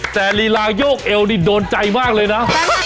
แต่ลีลายกเอวนี่โดนใจมากเลยนะ